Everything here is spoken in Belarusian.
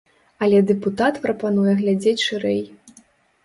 Але дэпутат прапануе глядзець шырэй.